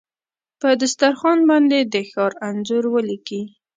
په دسترخوان باندې د ښار انځور ولیکې